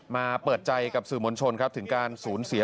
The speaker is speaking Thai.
มาเปิดใจกับสื่อม้อนชนถึงการสูญเสีย